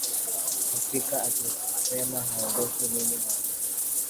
kupiga akisema haondoki nini mambo